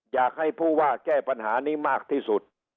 อยากให้ผู้ว่าแก้ปัญหานี้มากที่สุด